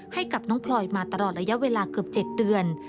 ให้กับน้องพลอยมาตลอดระยะเวลาเกือบ๗เดือน